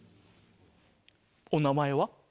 お名前は？